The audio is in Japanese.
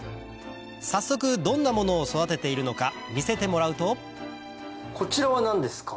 早速どんなものを育てているのか見せてもらうとこちらは何ですか？